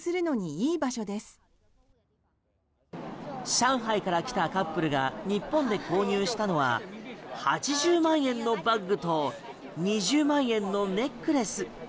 上海から来たカップルが日本で購入したのは８０万円のバッグと２０万円のネックレス。